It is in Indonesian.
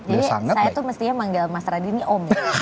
jadi saya tuh mestinya manggil mas radini om ya